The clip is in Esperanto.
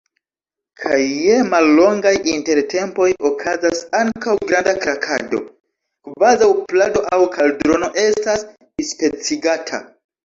Kaj je mallongaj intertempoj okazas ankaŭ granda krakado. kvazaŭ plado aŭ kaldrono estas dispecigata.